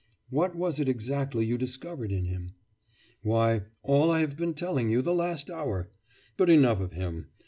'What was it exactly you discovered in him?' 'Why, all I have been telling you the last hour. But enough of him.